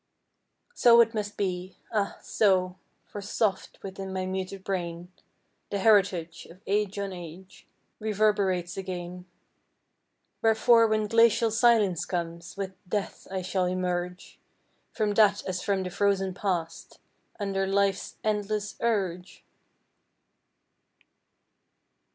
So it must be ah, so; for soft Within my muted brain The heritage Of age on age Reverberates again. Wherefore when glacial Silence comes With Death shall I emerge From that as from the frozen Past, Under Life's endless urge?